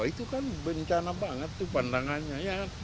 itu kan bencana banget pandangannya